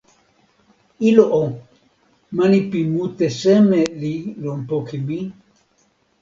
ilo o, mani pi mute seme li lon poki mi?